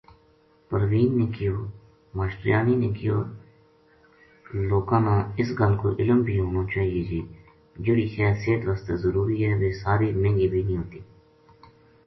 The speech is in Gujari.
پروین نے کہیو:”ماشٹریانی نے کہیو لوکاں نا اس گل کو علم بھی ہونو چاہیے جے جہڑی شے صحت وس ضروری ہے ویہ ساری مہنگی بے نیہہ ہوتی۔۔